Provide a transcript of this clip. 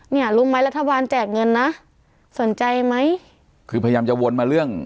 เนี่ยรู้ไหมรัฐบาลแจกเงินนะสนใจไหมคือพยายามจะวนมาเรื่อง